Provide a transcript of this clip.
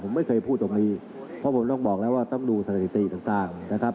ผมไม่เคยพูดตรงนี้เพราะผมต้องบอกแล้วว่าต้องดูสถิติต่างนะครับ